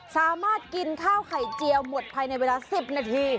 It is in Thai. สามารถกินข้าวไข่เจียวหมดภายในเวลา๑๐นาที